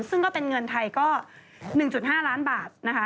ซึ่งก็เป็นเงินไทยก็๑๕ล้านบาทนะคะ